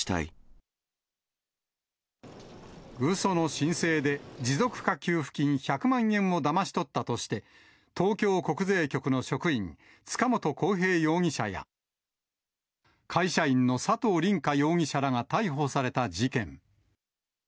うその申請で、持続化給付金１００万円をだまし取ったとして、東京国税局の職員、塚本晃平容疑者や、会社員の佐藤凜果容疑者らが逮捕された事件。